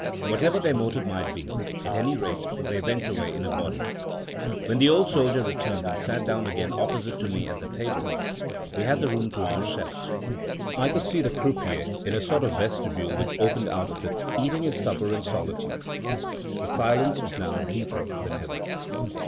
Whatever their motive might be, at any rate they went away in a body. When the old soldier returned, and sat down again opposite to me at the table, we had the room to ourselves. I could see the croupier, in a sort of vestibule which opened out of it, eating his supper in solitude. The silence was now deeper than ever.